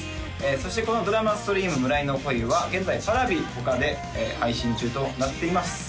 そしてこのドラマストリーム「村井の恋」は現在Ｐａｒａｖｉ他で配信中となっています